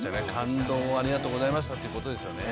感動をありがとうございましたってことですよね。